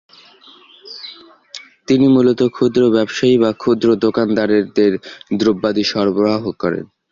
তিনি মূলত ক্ষুদ্র ব্যবসায়ী বা ক্ষুদ্র দোকানদারদের দ্রব্যাদি সরবরাহ করেন।